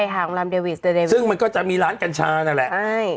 หลังพระอำารัมณ์เดวิสที่มันก็จะร้านกัญชาเนอะแหละ